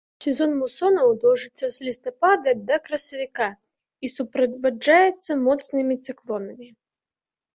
Сезон мусонаў доўжыцца з лістапада да красавіка і суправаджаецца моцнымі цыклонамі.